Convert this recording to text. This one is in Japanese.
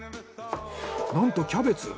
なんとキャベツ。